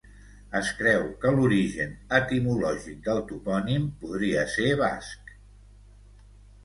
Es creu que l'origen etimològic del topònim podria ser basc.